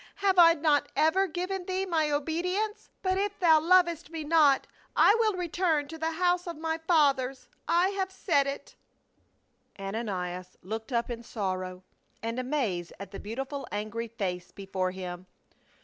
" Have I not ever given thee my obedience ? but if thou lov est me not, I will return to the house of my fathers ; I have said it." 72 PAUL. Ananias looked up in sorrow and amaze at the beau tiful angry face before him.